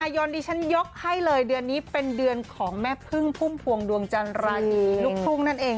ยนดิฉันยกให้เลยเดือนนี้เป็นเดือนของแม่พึ่งพุ่มพวงดวงจันราศีลูกทุ่งนั่นเอง